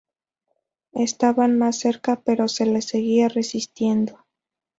Estaban más cerca, pero se les seguía resistiendo.